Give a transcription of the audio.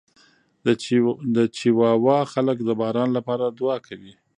د چیواوا خلک د باران لپاره دعا کوي.